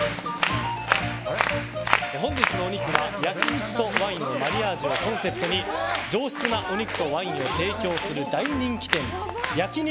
本日のお肉は焼き肉とワインのマリアージュをコンセプトに上質なお肉とワインを提供する大人気店焼肉